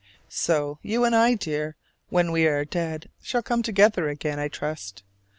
So you and I, dear, when we are dead, shall come together again, I trust.